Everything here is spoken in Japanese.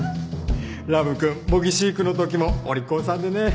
ラブくん模擬飼育の時もお利口さんでね。